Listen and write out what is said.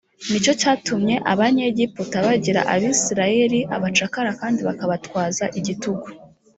ni cyo cyatumye abanyegiputa bagira abisirayeli abacakara kandi bakabatwaza igitugu